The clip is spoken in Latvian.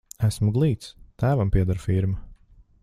Esmu glīts, tēvam pieder firma.